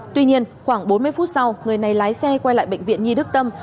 tuy nhiên khoảng bốn mươi phút sau người này lái xe quay lại bệnh viện nhi đức tâm